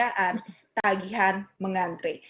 dan kegiatan tagihan mengantre